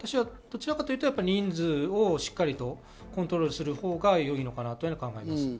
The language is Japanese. どちらかというと人数をしっかりコントロールするほうがいいと思います。